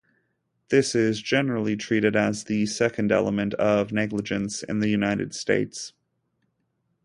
This is generally treated as the second element of negligence in the United States.